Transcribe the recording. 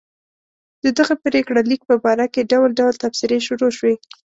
د دغه پرېکړه لیک په باره کې ډول ډول تبصرې شروع شوې.